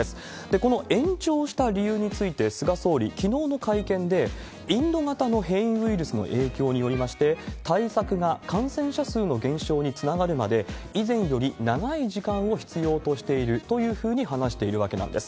この延長した理由について、菅総理、きのうの会見で、インド型の変異ウイルスの影響によりまして、対策が感染者数の減少につながるまで、以前より長い時間を必要としているというふうに話しているわけなんです。